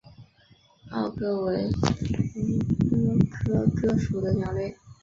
欧鸽为鸠鸽科鸽属的鸟类。